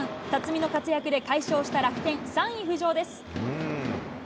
辰己の活躍で快勝した楽天、３位浮上です。